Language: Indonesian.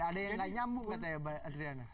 ada yang tidak nyambung katanya pak adriana